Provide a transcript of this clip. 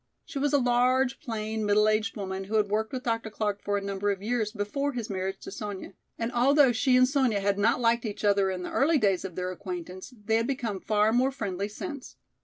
She was a large, plain, middle aged woman who had worked with Dr. Clark for a number of years before his marriage to Sonya, and although she and Sonya had not liked each other in the early days of their acquaintance, they had become far more friendly since.